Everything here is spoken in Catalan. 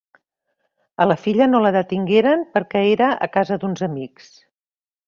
A la filla no la detingueren perquè era a casa d'uns amics.